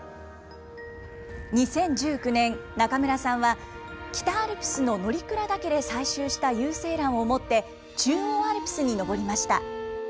２０１９年、中村さんは、北アルプスの乗鞍岳で採集した有精卵を持って、中央アルプスに登りました。